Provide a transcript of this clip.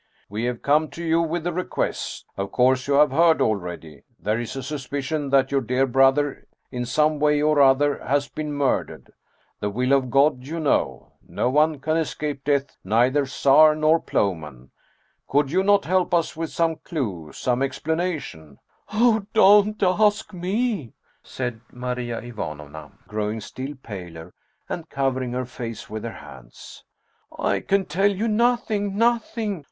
" We have come to you with a request. Of course, you have heard already. There is a suspicion that your dear brother, in some way or other, has been murdered. The will of God, you know. No one can escape death, neither czar nor plowman. Could you not help us with some clew, some explanation ?"" Oh, don't ask me !" said Maria Ivanovna, growing still paler, and covering her face with her hands. " I can tell you nothing. Nothing!